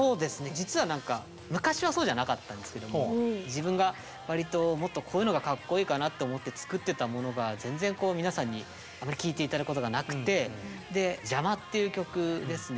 実は何か昔はそうじゃなかったんですけど自分が割ともっとこういうのがかっこいいかなと思って作ってたものが全然皆さんにあまり聴いて頂くことがなくてで「邪魔」っていう曲ですね